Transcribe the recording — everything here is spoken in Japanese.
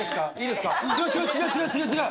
違う違う。